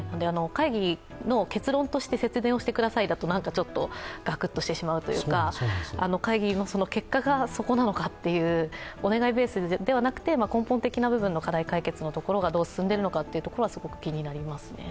会議の結論として節電をしてくださいだとなんかちょっとガクッとしてしまうというか、会議の結果が、そこなのかっていうお願いベースではなくて根本的な部分の課題解決がどう進んでいるのかすごく気になりますね。